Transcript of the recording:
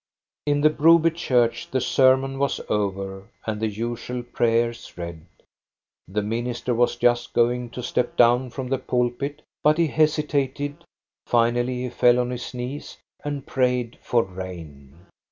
* In the Broby church the sermon was over and the usual prayers read. The minister was just going to step down from the pulpit, but he hesitated, finally he fell on his knees and prayed for rain.